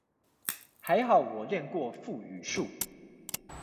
還好我練習過腹語術